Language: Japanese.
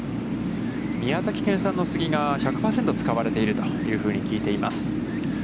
宮崎県産の杉が１００％使われているというふうに聞いています。